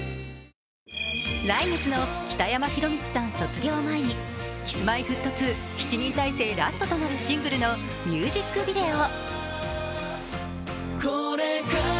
来月の北山宏光さん卒業を前にＫｉｓ−Ｍｙ−Ｆｔ２、７人体制ラストとなるシングルのミュージックビデオ。